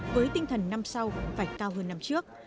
với tinh thần năm sau phải cao hơn năm trước